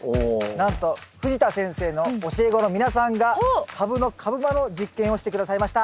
なんと藤田先生の教え子の皆さんがカブの株間の実験をして下さいました。